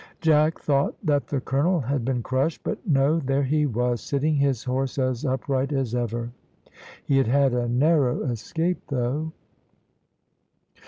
Jack thought that the colonel had been crushed; but no, there he was, sitting his horse as upright as ever. He had had a narrow escape, though.